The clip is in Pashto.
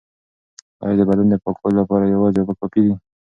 ایا د بدن د پاکوالي لپاره یوازې اوبه کافی دي؟